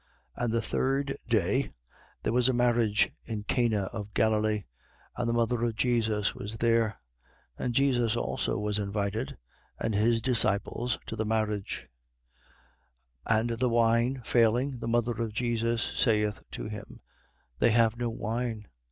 2:1. And the third day, there was a marriage in Cana of Galilee: and the mother of Jesus was there. 2:2. And Jesus also was invited, and his disciples, to the marriage. 2:3. And the wine failing, the mother of Jesus saith to him: They have no wine.